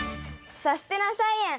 「さすてな菜園」。